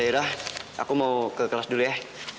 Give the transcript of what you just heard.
daerah aku mau ke kelas dulu ya